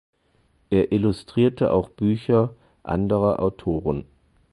Er illustrierte auch Bücher anderer Autoren.